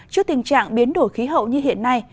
trước tình trạng biến đổi khí hậu như hiện nay